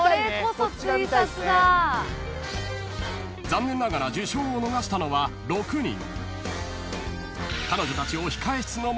［残念ながら受賞を逃したのは６人］